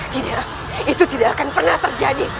ginilah itu tidak akan pernah terjadi